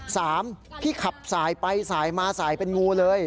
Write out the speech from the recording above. สามพี่ขับสายไปสายมาสายเป็นงูเลย